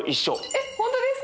えっ本当ですか？